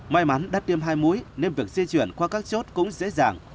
may mắn đắt tiêm hai mũi nên việc di chuyển qua các chốt cũng dễ dàng